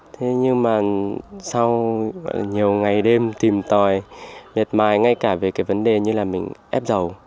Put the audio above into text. thế nhưng mà sau nhiều ngày đêm tìm tòi miệt mài ngay cả về cái vấn đề như là mình ép dầu